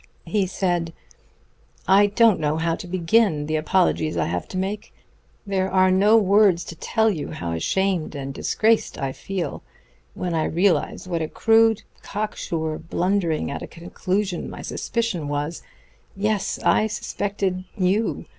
He said: "I don't know how to begin the apologies I have to make. There are no words to tell you how ashamed and disgraced I feel when I realize what a crude, cock sure blundering at a conclusion my suspicion was. Yes, I suspected you!